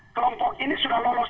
kelompok ini sudah lolos